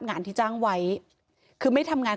งานที่จ้างไว้คือไม่ทำงาน